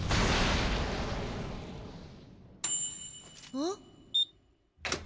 あっ？